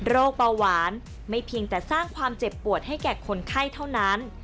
เบาหวานไม่เพียงแต่สร้างความเจ็บปวดให้แก่คนไข้เท่านั้น